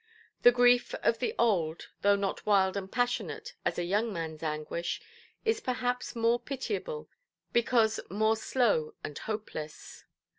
The grief of the old, though not wild and passionate as a young manʼs anguish, is perhaps more pitiable, because more slow and hopeless.